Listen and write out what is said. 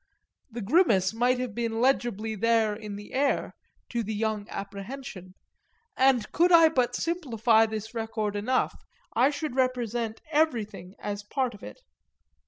The grimace might have been legibly there in the air, to the young apprehension, and could I but simplify this record enough I should represent everything as part of it.